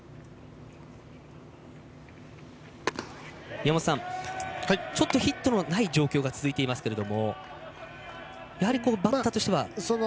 宮本さんピッチャーとヒットのない状況が続いていますけれどもバッターとしては。